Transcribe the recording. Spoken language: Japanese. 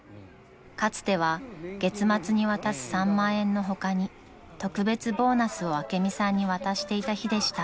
［かつては月末に渡す３万円の他に特別ボーナスを朱美さんに渡していた日でした］